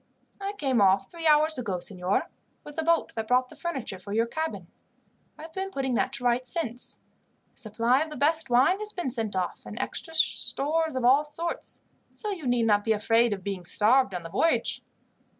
"I came off three hours ago, signor, with the boat that brought the furniture for your cabin. I have been putting that to rights since. A supply of the best wine has been sent off, and extra stores of all sorts, so you need not be afraid of being starved on the voyage."